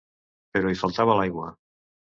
Però hi faltava l'aigua.